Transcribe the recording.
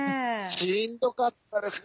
しんどかったですね。